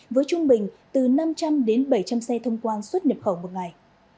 với trung bình từ năm trăm linh đến bảy trăm linh xe thông quan xuất nhập khẩu một ngày